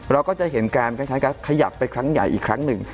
เราก็จะเห็นการคล้ายกับขยับไปครั้งใหญ่อีกครั้งหนึ่ง